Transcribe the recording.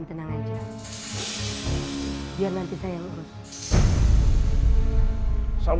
dia akan jadi penghalang buat usaha kita